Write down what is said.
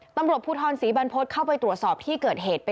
ตำรวจภูทรศรีบรรพฤษเข้าไปตรวจสอบที่เกิดเหตุ